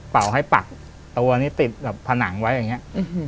ป่าวให้ปักตัวเงี้ยติดแบบผนังไว้อย่างเงี้ย